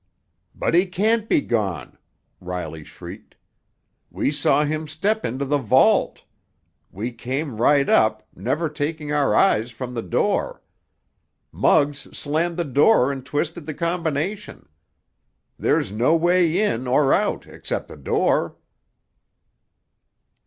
"But he can't be gone!" Riley shrieked. "We saw him step into the vault! We came right up, never taking our eyes from the door! Muggs slammed the door and twisted the combination. There's no way in or out except the door!"